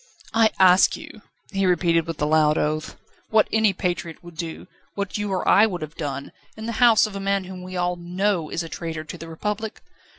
"I ask you," he repeated, with a loud oath, "what any patriot would do, what you or I would have done, in the house of a man whom we all know is a traitor to the Republic?